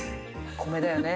米だよね。